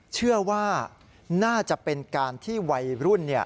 เชื่อว่าน่าจะเป็นการที่วัยรุ่น